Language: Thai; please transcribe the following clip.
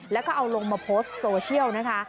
แล้วก็เอาลงมาโพสต์โซเชียลนะคะ